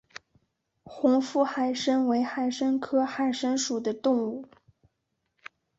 红腹海参为海参科海参属的动物。